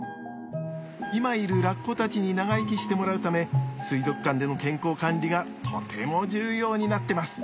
今いるラッコたちに長生きしてもらうため水族館での健康管理がとても重要になってます。